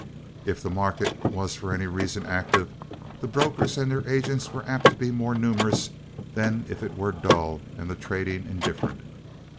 If the market was for any reason active, the brokers and their agents were apt to be more numerous than if it were dull and the trading indifferent.